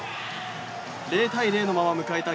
０対０のまま迎えた